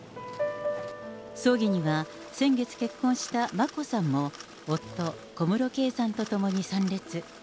葬儀には、先月結婚した眞子さんも、夫、小室圭さんと共に参列。